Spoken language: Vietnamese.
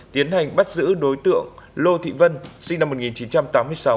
tiến hành bắt giữ đối tượng lô thị vân sinh năm một nghìn chín trăm tám mươi sáu